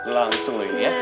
langsung dulu ini ya